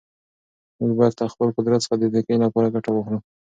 موږ باید له خپل قدرت څخه د نېکۍ لپاره ګټه واخلو.